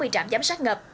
sáu mươi trạm giám sát ngập